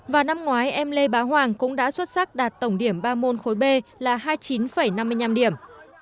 và năm ngoái em lê bá hoàng cũng đã xuất sắc đạt tổng điểm ba môn khối b là hai mươi chín năm mươi năm điểm